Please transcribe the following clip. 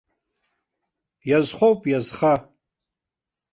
Иазхоуп, иазха!